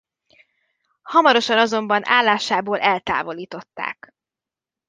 Hamarosan azonban állásából eltávolították.